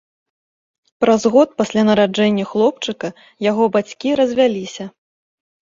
Праз год пасля нараджэння хлопчыка яго бацькі развяліся.